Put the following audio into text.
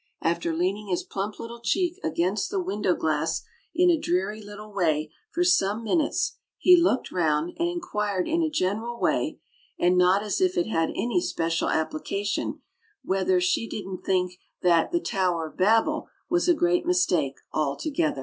After leaning his plump little cheek against the window glass in a dreary little way for some minutes, he looked round, and inquired in a general way, and not as if it had any special application, whether she didn't think 'that the tower of Babel was a great mistake altogether.'"